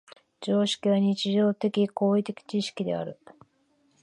常識は日常的・行為的知識である。